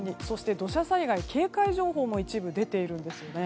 土砂災害警戒情報も一部出ているんです。